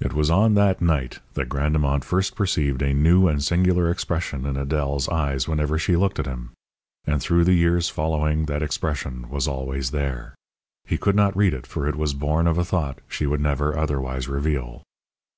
It was on that night that Grandemont first perceived a new and singular expression in Adèle's eyes whenever she looked at him. And through the years following that expression was always there. He could not read it, for it was born of a thought she would never otherwise reveal.